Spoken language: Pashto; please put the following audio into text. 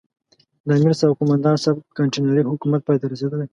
د امرصاحب او قوماندان صاحب کانتينري حکومت پای ته رسېدلی.